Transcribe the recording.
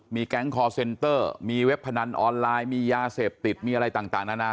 มีแก๊งคอร์เซนเตอร์มีเว็บพนันออนไลน์มียาเสพติดมีอะไรต่างนานา